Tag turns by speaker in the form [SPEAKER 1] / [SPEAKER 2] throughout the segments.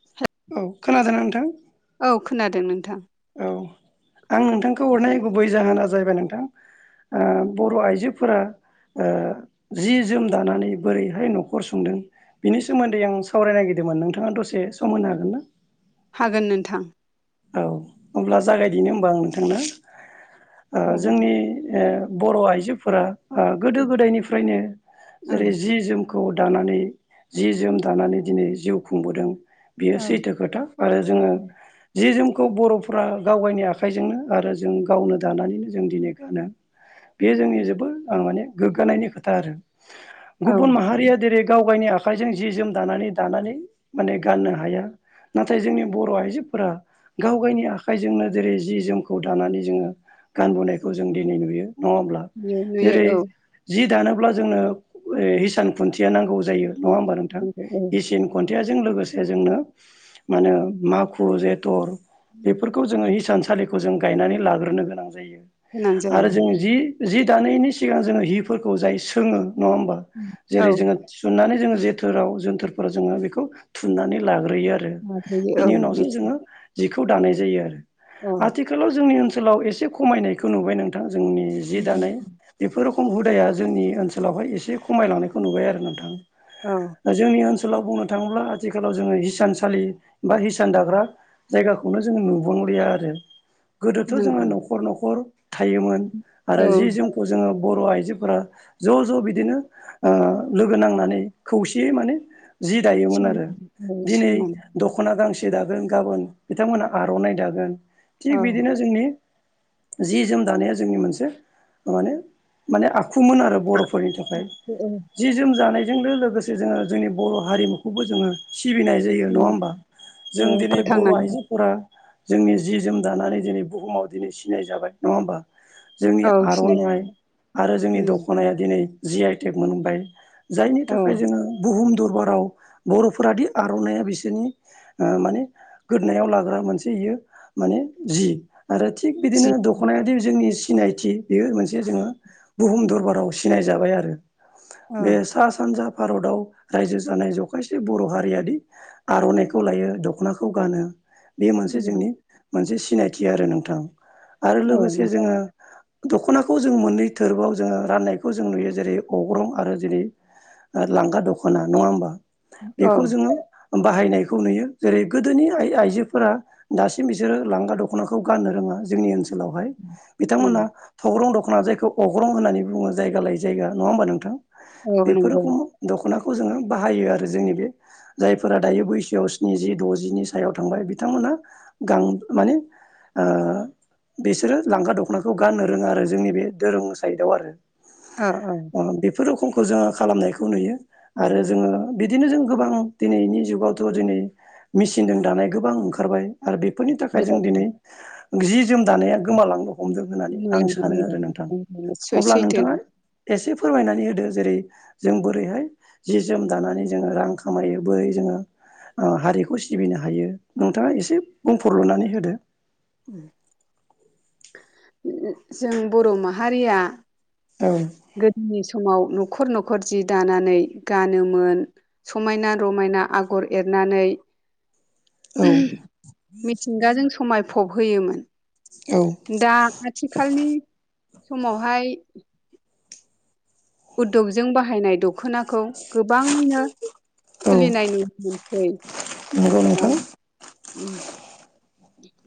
[SPEAKER 1] [unintelligible]
[SPEAKER 2] औ खोनादों नोंथां
[SPEAKER 1] औ खोनादों नोंथां
[SPEAKER 2] औ आं नोंथांखौ हरनाय गुबै जाहोना जाहैबाय नोंथां बर' आइजोफोरा ओ जि जोम दानानै बोरैहाय न'खर संदों बिनि सोमोन्दै आं सावरायनो नागिरदोंमोन नोंथाङा दसे सम होनो हागोन ना
[SPEAKER 1] हागोन नोंथां
[SPEAKER 2] औ अब्ला जागायदिनो हबा आं नोंथांना
[SPEAKER 1] जागाय दे
[SPEAKER 2] जोंनि बर' आइजोफोरा गोदो गोदायनिफ्रायनो
[SPEAKER 1] औ
[SPEAKER 2] जेरै जि जोम खौ दानानै जि जोम दानानै दिनै जिउ खुंबोदों बियो
[SPEAKER 1] औ
[SPEAKER 2] सैथो खोथा आरो जोङो जि जोमखौ बर'फ्रा गावायनि आखाइजोंनो आरो जों गावनो दानानैनो जों दिनै गानो। बे जोंनि जोबोद माने गोग्गानायनि खोथा आरो
[SPEAKER 1] औ
[SPEAKER 2] गुबुन माहारिया जेरै गाव गायनि आख आखाइजों जि जोम दानानै दानानै माने गाननो हाया नाथाय जोंनि बर' आइजोफोरा गाव गावनि आखाइजोंनो जेरै जि जोमखौ दानानै जोङो गानबोनायखौ जों दिनै नुयो नङा होनब्ला।
[SPEAKER 1] नुयो नुयो
[SPEAKER 2] जेरै
[SPEAKER 1] औ
[SPEAKER 2] जि दानोब्ला जोंनो हिसान खुन्थिया नांगौ जायो नङा होमबा नोंथां
[SPEAKER 1] नंगौ औ
[SPEAKER 2] इसिन खन्थयाजों लोगोसे जोंनो माने माखु जे टर बेफोरखौ जोङो हिसानसालिखौ जों गायनानै लाग्रोनो गोनां जायो।
[SPEAKER 1] गोनां
[SPEAKER 2] आरो
[SPEAKER 1] जायो
[SPEAKER 2] जों जि जि दानायनि सिगां जोङो हफोरखौ जाय सोङो नङा होमबा
[SPEAKER 1] औ
[SPEAKER 2] जेरै जोङो थिसननानै जोङो जोथोराव जोनथोरफोराव जोङो बेखौ थुननानै लाग्रोयो आरो
[SPEAKER 1] माबायो औ
[SPEAKER 2] बिनि उनावसो
[SPEAKER 1] मिथि
[SPEAKER 2] जोङो जिखौ दानाय जायो आरो
[SPEAKER 1] औ
[SPEAKER 2] आथि खालाव जोंनि ओनसोलाव एसे खमायनायखौ नुबाय नोंथां जोंनि जि दानाय बेफोर रोखम हुदाया जोंनि ओनसोलावहाय एसे खमायलांनायखौ नुबाय आरो नोंथां
[SPEAKER 1] औ
[SPEAKER 2] दा जोंनि ओनसोलाव बुंनो थाङोब्ला आथिखालाव जोङो हिसानसालि बा हिसान दाग्रा जायगाखौनो जोङो नुुबुंलिया आरो गोदोथ' जोङो
[SPEAKER 1] नंगौ
[SPEAKER 2] न'खर न'खर थायोमोन
[SPEAKER 1] औ
[SPEAKER 2] आरो जि जोमखौ जोङो बर' आइजोफोरा ज' ज' बिदिनो ओ लोगो नांनानै खौसेयै माने जि दायोमोन आरो
[SPEAKER 1] सोंनानै औ
[SPEAKER 2] दिनै दख
[SPEAKER 1] सोंनानै
[SPEAKER 2] दख'ना गांसे दागोन गाबोन बिथांमोनहा आर'नाइ दागोन थिग
[SPEAKER 1] औ
[SPEAKER 2] बिदिनो जोंनि जि जोम दानाया जोंनि मोनसे माने माने आखुमोन आरो। बर'फोरनि थाखाय।
[SPEAKER 1] औ
[SPEAKER 2] जि जोम जानायजोंनो लोगोसे जोङो जोंनि बर' हारिमुखौबो जोङो सिबिनाय जायो जायो नङा
[SPEAKER 1] उम
[SPEAKER 2] होमबा जों
[SPEAKER 1] औ
[SPEAKER 2] दिनै बर' आइज
[SPEAKER 1] फोथांनानै
[SPEAKER 2] जोंनि जि जोम दानानै दिनै बुहुमाव दिनै सिनाय जाबाय नङा होमबा जोंनि
[SPEAKER 1] औ सिनाय
[SPEAKER 2] आर'नाइ आरो जोंनि
[SPEAKER 1] उम
[SPEAKER 2] दख'नाया दिनै जि आइटेक मोनबाय जायनि
[SPEAKER 1] औ
[SPEAKER 2] थाखाय जोङो बुहुम दरबाराव बर'फोरादि आर'नाइ आ बिसोरनि ओ माने गोदनायाव लाग्रा मोनसे इयो माने जि। आरो थिग
[SPEAKER 1] जि
[SPEAKER 2] बिदिनो दख'नायाद जोंनि सिनायथि बेयो मोनसे जोङो बुहुम दरबाराव सिनायजाबाय आरो
[SPEAKER 1] औ
[SPEAKER 2] बे सा सानजा भारताव रायजो जानाय जखायसे बर' हारियाद आर'नाइखौ लायो दख'नाखौ गानो बे मोनसे
[SPEAKER 1] उम
[SPEAKER 2] जोंनि मोनसे सिनायथि आरो नोंथां आरो
[SPEAKER 1] औ
[SPEAKER 2] लोगोसे
[SPEAKER 1] नों
[SPEAKER 2] जोङो दख'नाखौ जों मोननै थोरबोआव जोङो राननायखौ जों नुयो जेरै अग्रं आरो जेरै लांगा दख'ना नङा होमबा
[SPEAKER 1] औ
[SPEAKER 2] बेखौ जोङो बाहायनायखौ नुयो जेरै गोदोनि आ आइजोफोरा दासिम बिसोरो लांगा दख'नाखौ गाननो रोङा जोंनि ओनसोल लावहाय बिथांमोना
[SPEAKER 1] उम
[SPEAKER 2] थौग्रं दख'ना जायखौ अग्रं होननानै बुङो जायगा लायै जायगा नङा होमबा नोंथां
[SPEAKER 1] औ
[SPEAKER 2] बेफोर
[SPEAKER 1] नंगौ
[SPEAKER 2] उमुख दख'नाखौ जोङो बाहायो आरो जोंनि बे जायफोरा दायो बैसोआव स्निजि द'जिनि सायाव थांबाय बिथांमोनहा गां माने ओ बिसोरो लांखा दख'नाखौ गाननो रोङा आरो जोंनि बे दोरों साइदआव आरो।
[SPEAKER 1] औ औ
[SPEAKER 2] बेफोर रोखमखौ जोङो खालामनायखौ नुयो। आरो जोङो बिदिनो जों गोबां दिनैनि जुगावथ' दिनै मेचिनजों दानाय गोबां ओंखारबाय आरो बेफोरनि थाखाय जों
[SPEAKER 1] बेफोरबायदि
[SPEAKER 2] दिनै जि जोम दानाया गोमालांनो हमदों होननानै आं
[SPEAKER 1] गोमालांनो
[SPEAKER 2] सानो आरो नोंथां।
[SPEAKER 1] हमदों नंगौ, सै-
[SPEAKER 2] अब्ला
[SPEAKER 1] सैथो
[SPEAKER 2] नोंथाङा
[SPEAKER 1] नोंथां।
[SPEAKER 2] एसे फोरमायनानै होदो। जेरै जों बोरैहाय जि जोम दानानै जोङो रां खामायो, बोरै जोङो हारिखौ सिबिनो हायो नोंथाङा एसे बुंफोरलुनानै होदो?
[SPEAKER 1] उम। [inaudible] जों बर' माहारिया
[SPEAKER 2] औ।
[SPEAKER 1] गोदोनि समाव न'खर न'खर जि दानानै गानोमोन। समायना रमायना आगर एरनानै
[SPEAKER 2] औ।
[SPEAKER 1] मिथिंगाजों समायफब होयोमोन।
[SPEAKER 2] औ।
[SPEAKER 1] दा आथिखालनि समावहाय उदगजों बाहायनाय दख दखनाखौ गोबाङैनो
[SPEAKER 2] औ
[SPEAKER 1] सोलिनाय नु मोनसै।
[SPEAKER 2] नंगौ
[SPEAKER 1] दा
[SPEAKER 2] नोंथां।
[SPEAKER 1] उम।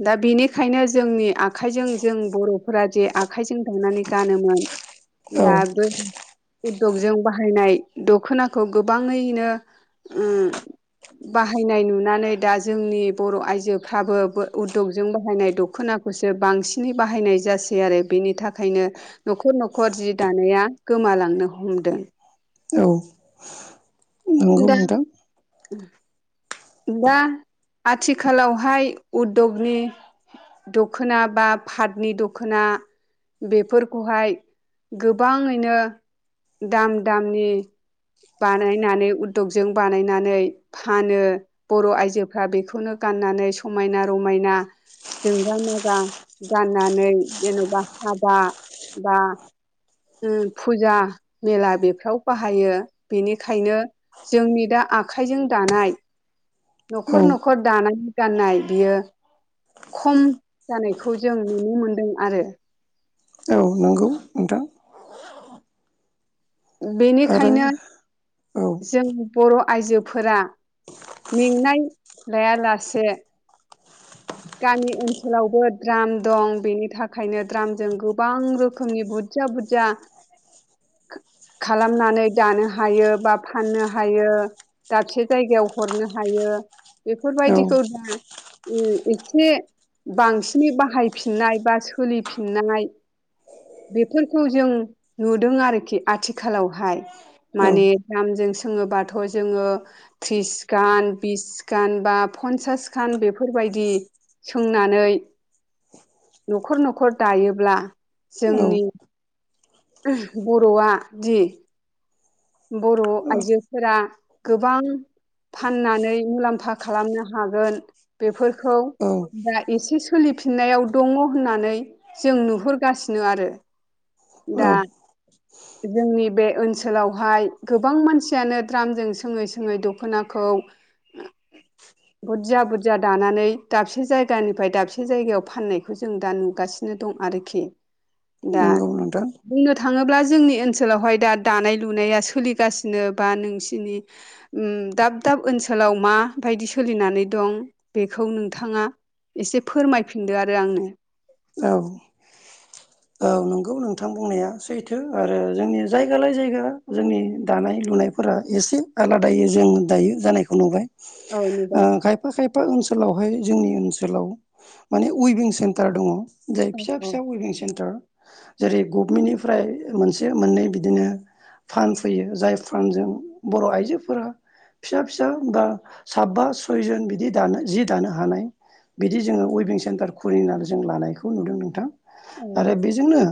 [SPEAKER 1] दा बेनिखायनो जोंनि आखाइजों जों बर' फोरा जे आखाइजों दानानै गानोमोन
[SPEAKER 2] औ
[SPEAKER 1] दा [inaudible] उददगजों बाहायनाय दख'नाखौ गोबाङैनो उम बाहायनाय नुनानै दा जोंनि बर' आइजोफ्राबो उदगजों बाहायनाय दख'नाखौसो बांसिनै बाहायनाय जासै आरो बेनि थाखायनो। न'खर न'खर जि दानाया गोमालांनो हमदों।
[SPEAKER 2] औ। नंगौ
[SPEAKER 1] दा [inaudible]
[SPEAKER 2] नोंथां
[SPEAKER 1] दा आथिखालावहाय उद्दगनि दख'ना बा पाटनि दख'ना बेफोरखौहाय गोबाङैनो दाम दामनि बानायनानै उदगजों बानायनानै फानो बर' आइजोफ्रा बेखौनो गाननानै समायना रमायना जोंगा मागा गाननानै जेन'बा हाबा बा उम फुजा मेला बेफ्राव बाहायो बेनिखायनो जोंनि दा आखाइजों दानाय
[SPEAKER 2] औ
[SPEAKER 1] न'खर न'खर दानानै गाननाय बियो खम जानायखौ जों नुनो मोनदों आरो।
[SPEAKER 2] औ नंगौ नोंथां। आरो
[SPEAKER 1] बेनिखायनो
[SPEAKER 2] औ
[SPEAKER 1] जों बर' आइजोफोरा मेंनाय लायालासे गामि ओनसोलावबो द्राम दं। बेनि थाखायनो द्रामजों गोबां रोखोमनि बुर जा बुजा
[SPEAKER 2] [inaudible]
[SPEAKER 1] खालामनानै दानो हायो बा फाननो हायो। दाबसे जायगायाव हरनो हायो
[SPEAKER 2] औ
[SPEAKER 1] बेफोरबायदिखौ दा उम। एसे बांसिनै बाहायफिननाय बा सोलिफिननाय बेफोरखौ जों नुदों आरोखि आथिखालावहाय। माने
[SPEAKER 2] औ
[SPEAKER 1] दामजों सोङोबाथ' जोङो थ्रिसखान बिसखान बा पन्सासखान बेफोरबायदि सोंनानै न'खर न'खर दायोब्ला
[SPEAKER 2] औ
[SPEAKER 1] जोंनि बर'आ दि बर' आइजोफोरा गोबां फाननानै मुलाम्फा खालामनो हागोन बेफोरखौ
[SPEAKER 2] औ
[SPEAKER 1] दा एसे सोलिफिननायाव दङ होननानै जों नुहुरगासिनो आरो। दा
[SPEAKER 2] औ
[SPEAKER 1] जोंनि बे ओनसोलाव हाय गोबां मानसियानो द्रामजों सोङै सोङै दख'नाखौ
[SPEAKER 2] [inaudible]
[SPEAKER 1] बुरजा बुरजाया दानानै दाबसे जायगानिफ्राय दाबसे जायगायाव फाननायखौ जों दा नुगासि। दं आरोखि दा
[SPEAKER 2] नंगौ नोंथां
[SPEAKER 1] बुंनो थाङोब्ला जोंनि ओनसोलावहाय दा दानाय लुनाया सोलिगासिनो बा नोंसिनि उम दाब दाब ओनसोलाव मा बायदि सोलिनानै दं बेखौ नोंथाङा एसे फोरमायफिनदो आरो आंनो।
[SPEAKER 2] औ औ नंगौ नोंथां बुंनाया सैथो आरो जोंनि जायगालाय जायगा जोंनि दानाय लुनाय फोरा एसे आलादायै जों दायो जानायखौ नुबाय ओ
[SPEAKER 1] औ
[SPEAKER 2] खा
[SPEAKER 1] नुबाय
[SPEAKER 2] खायफा खायफा ओनसोलावहाय जोंनि ओनसोलाव माने उइभिं सेन्टार दंङ। जाय
[SPEAKER 1] औ
[SPEAKER 2] फिसा
[SPEAKER 1] औ
[SPEAKER 2] फिसा उइभिं सेन्टार जेरै गभमेन्टनिफ्राय मोनसे मोननै बिदिनो फान्ड फैयो जाय फान्डजों बर' आइजोफोरा फिसा फिसा बा साबबा सयजन बिदि दानो जि दानो हानाय बिदि जोंङो उइभिं सेन्टार खुलिनानै जों लानायखौ नुदों नोंथां आरो
[SPEAKER 1] औ
[SPEAKER 2] बे जोंनो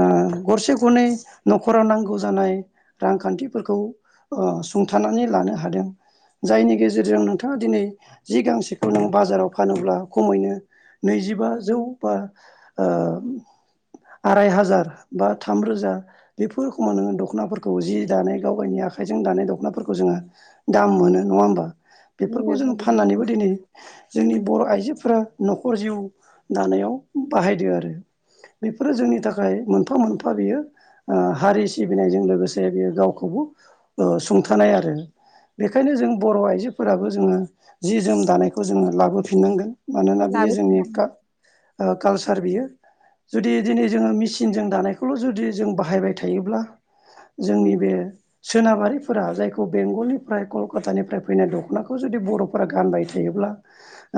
[SPEAKER 2] ओ गरसे गरनै न'खरा नांगौ जानाय रांखान्थिफोरखौ ओ सुंथानानै लानो हादों। जायनि गेजेरजों नोंथांङा दिनै जि गांसेखौ नों बाजाराव फानोब्ला खमैनो नैजिबाजौ बा ओ आराय हाजार बा थामरोजा बेफोर रोखोमाव नोंङो दख'नाफोरखौ जि दानाय गाव गावनि आखाइजों दानाय दख'नाफोरखौ जोंङो दाम मोनो नंङा होमबा बेफोरखौ जों फाननानैबो दिनै जोंनि बर' आइजोफोरा न'खर जिउ दानायाव बाहायदों आरो। बेफोरो जोंनि थाखाय मोनफा मोनफा बियो। ओ हारि सिबिनायजों लोगोसे बेयो गावखौबो ओ सुंथानाय आरो। बेखायनो जों बर' आइजोफोराबो जोंङो जि जोम दानायखौ जोंङो लाबोफिननांगोन। मानोना बियो जोंनि का ओ कालसार बियो। जुदि दिनै जोंङो मेचिनजों दानायखौल' जुदि जों बाहायबाय थायोब्ला जोंनि बे सोनाबारिफोरा जायखौ बेंगलनिफ्राय कलकातानिफ्राय फैनाय दख'नाखौ जुदि बर' फोरा गानबाय थायोब्ला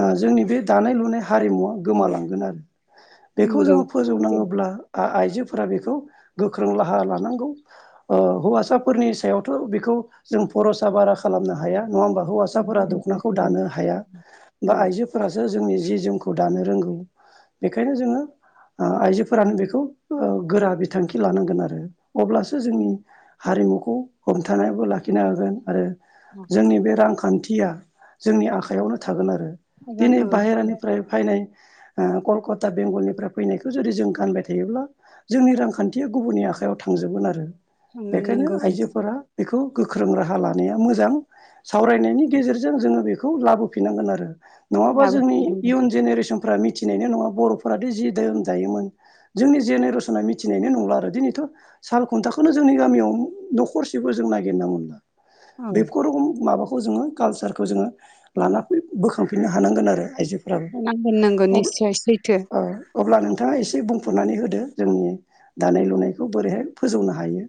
[SPEAKER 2] ओ जोंनि बे दानाय लुनाय हारिमुवा गोमालांगोन आरो। बेखौ
[SPEAKER 1] नंगौ।
[SPEAKER 2] जोङो फोजौनाङोब्ला आ-आइजोफोरा बेखौ गोख्रों राहा लानांगौ। ओ हौवासाफोरनि सायावथ' बेखौ जों फरसा बारा खालामनो हाया नंङा होमबा
[SPEAKER 1] उ,
[SPEAKER 2] हौवासाफोरा
[SPEAKER 1] नंगौ
[SPEAKER 2] दखनाखौ
[SPEAKER 1] नंगौ
[SPEAKER 2] दानो हाया
[SPEAKER 1] औ
[SPEAKER 2] बा आइजो फोरासो जोंनि जि जोमखौ दानो रोंगौ बेखायनो जोंङो ओ आइजोफोरानो बेखौ ओ गोरा बिथांखि लानांगोन आरो अब्लासो जोंनि हारिमुखौ हमथानायबो लाखिनो हागोन आरो
[SPEAKER 1] औ
[SPEAKER 2] जोंनि बे रांखान्थिया जोंनि आखाइयावनो थागोन आरो।
[SPEAKER 1] हागोन
[SPEAKER 2] दिनै
[SPEAKER 1] औ
[SPEAKER 2] बाहेरानिफ्राय फायनाय ओ कलकता बेंगलनिफ्राय फैनायखौ जुदि जों गानबाय थायोब्ला जोंनि रांखान्थिया गुबुननि आखायाव थांजोबगोन आरो।
[SPEAKER 1] थांगोन
[SPEAKER 2] बेखायनो
[SPEAKER 1] नोंगौ
[SPEAKER 2] आइजोफोरा बेखौ गोख्रों राहा लानाया मोजां। सावरायनायनि गेजेरजों जोंङो बेखौ लाबोफिननांगोन आरो। नंङाबा जोंनि
[SPEAKER 1] लाबोफिननांगोन
[SPEAKER 2] इयुन जेनेरेसनफ्रा मिथिनायनाय नंङा बर'फोराथ' जि धोरोम दायोमोन। जोंनि जेनेरेसना मिथिनायनायनि नंला आरो दिनैथ' साल खुन्थाखौनो जोंनि गामियाव न'खरसेबो जों नागिरना मोनला।
[SPEAKER 1] औ
[SPEAKER 2] बेफोर रोखम माबाखौ जोंङो कालसारखौ जोंङो लाना बोखांफिननो हानांगोन आरो आइजो
[SPEAKER 1] नांगोन नगोन निस्सय सैथो।
[SPEAKER 2] अ अब्ला नोंथाङा एसे बुंफोरनानै होदो जोंनि दानाय लुनायखौ बोरैहाय फोजौनो हायो।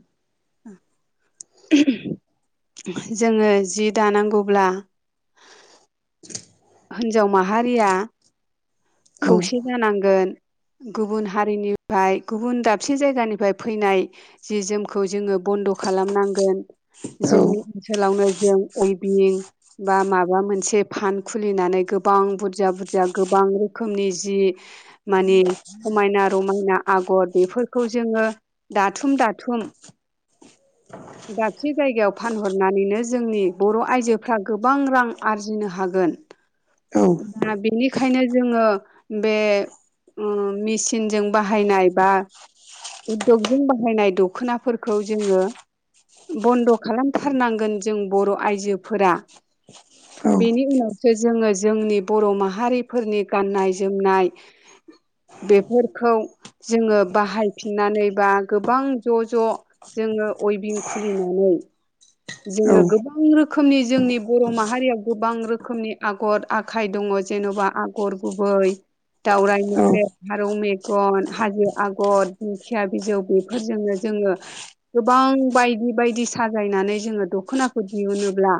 [SPEAKER 1] जोंङो जि दानांगौब्ला
[SPEAKER 2] [inaudible]
[SPEAKER 1] हिनजाव माहारिया
[SPEAKER 2] औ
[SPEAKER 1] खौसे जानांगोन। गुबुन हारिनिफ्राय गुबुन दाबसे जायगानिफ्राय फैनाय जि जोमखौ जोङो बन्द' खालामनांगोन।
[SPEAKER 2] औ
[SPEAKER 1] जोंनि ओनसोलावनो जों अयबिं बा माबा मोनसे फान खुलिनानै गोबां बुरजा बुरजा गोबां रोखोमनि जि माने समायना रमायना आगर बेफोरखौ जोङो दाथुम दाथुम ज मोनसे जायगायाव फानहरनानैनो जोंनि बर' आइजोफ्रा गोबां रां आरजिनो हागोन।
[SPEAKER 2] औ
[SPEAKER 1] दा बेनिखायनो जोङो बे मेसििनजों बाहायनाय बा उद्यगजों बाहायनाय दख'नाफोरखौ जोङो बन्द' खालामथारनांगोन जों बर' आइजोफोरा।
[SPEAKER 2] औ
[SPEAKER 1] बेनि उनाव जोङो जोंनि बर' माहारिफोरनि गाननाय जोमनाय बेफोरखौ जोङो बाहायफिननानै बा गोबां ज' ज' जोङो अयबिं खुलिनानै जोङो
[SPEAKER 2] औ
[SPEAKER 1] गोबां रोखोमनि जोंनि बर' माहारियाव गोबां रोखोम रोखोमनि आगर आखाइ दङ जेन'बा आगर गुबै दावराइ
[SPEAKER 2] औ
[SPEAKER 1] मोख्रेब फारौ मेगन हाजो आगर दिंखिया बिजौ बेफोरजोंनो जोङो गोबां बायदि बायदि साजायनानै जोङो दख'नाखौ दिहुनोब्ला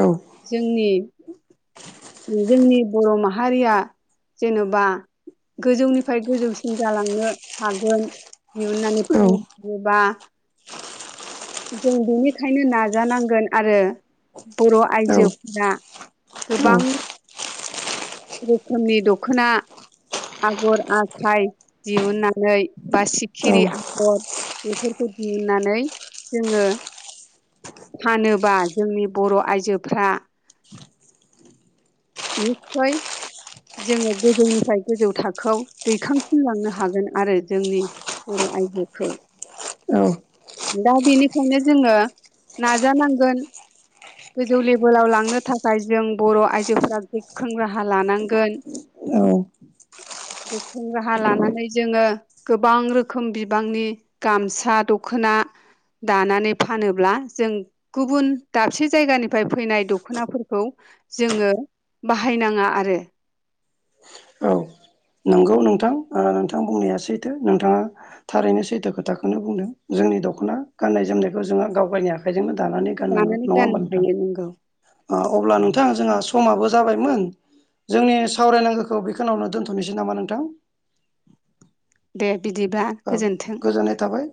[SPEAKER 2] औ
[SPEAKER 1] जोंनि
[SPEAKER 2] [inaudible]
[SPEAKER 1] जोंनि बर' माहारिया जेन'बा गोजौनिफ्राय गोजौसिन जालांनो हागोन। दिहुननानै
[SPEAKER 2] औ
[SPEAKER 1] फाननोहयोबा जों बेनिखायनो नाजानांगोन आरो। बर' आइजोफोरा गोबां रोखोमनि दख'ना आगर आखाइ दिहुुननानै बा सिखिरि
[SPEAKER 2] औ
[SPEAKER 1] आगर बेफोरखौ दिहुननानै जोङो फानोबा जोंनि बर' आइजोफ्रा निसय जोङो गोजौनिफ्राय गोजौ थाखोआव दैखांफिनलांनो हागोन आरो। जोंनि बर' आयजोखौ।
[SPEAKER 2] औ
[SPEAKER 1] दा बेनिखायनो जोङो नाजानांगोन। गोजौ लेभेलाव लांनो था खाय जों बर' आइजोफ्रा गोख्रों राहा लानांगोन।
[SPEAKER 2] [inaudible]
[SPEAKER 1] गोख्रों राहा लानानै जोङो गोबां रोखोम बिबांनि गामसा दख'ना दानानै फानोब्ला जों गुबुन दाबसे जायगानिफ्राय फैनाय दख'नाफोर औ जोङो बाहायनाङा आरो।
[SPEAKER 2] औ नंगौ नोंथां ओ नोंथां बुंनाया सैथो नोंथाङा थारैनो सैथो खोथाखोनो बुंदों जोंनि दख'ना गाननाय जोमनायखौ जोंहा गाव गायनि आखाइजोंनो दानानै गाननांगौ
[SPEAKER 1] दानानै
[SPEAKER 2] नङा
[SPEAKER 1] गाननो
[SPEAKER 2] होमबा नोंथां?
[SPEAKER 1] हायो नोंगौ
[SPEAKER 2] ओ अब्ला नोंथाङा जोंहा समाबो जाबायमोन जोंनि सावरायनांगोखौ बेखोनावनो दोनथ' थ'नोसै नामा नोंथां?
[SPEAKER 1] दे बिदिब्ला
[SPEAKER 2] औ
[SPEAKER 1] गोजोन्थों।
[SPEAKER 2] गोजोननाय थाबाय।